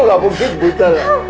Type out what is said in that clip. aku gak mungkin buta pa